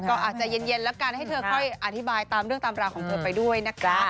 ก็อาจจะเย็นแล้วกันให้เธอค่อยอธิบายตามเรื่องตามราวของเธอไปด้วยนะคะ